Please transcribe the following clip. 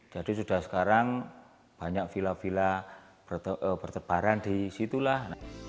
jadi sudah sekarang banyak vila vila berkebaran di situlah